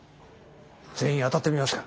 全員当たってみますか？